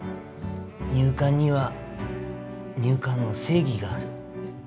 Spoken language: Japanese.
入管には入管の正義がある。